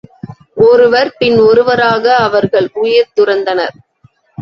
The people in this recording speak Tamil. ஒருவர் பின் ஒருவராக அவர்கள் உயிர் துறந்தனர்.